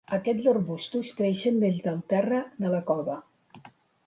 Aquests arbustos creixen des del terra de la cova.